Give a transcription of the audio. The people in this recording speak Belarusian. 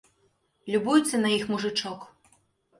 Любуецца на іх мужычок.